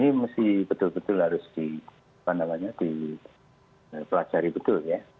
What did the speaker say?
ini mesti betul betul harus dipelajari betul ya